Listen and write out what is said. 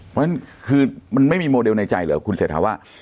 เพราะฉะนั้นคือมันไม่มีโมเดลในใจเหรอคุณเศรษฐาว่า